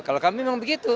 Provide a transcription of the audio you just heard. kalau kami memang begitu